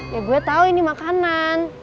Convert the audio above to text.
ya gue tahu ini makanan